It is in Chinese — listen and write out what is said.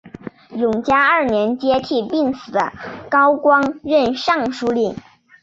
永嘉二年接替病死的高光任尚书令。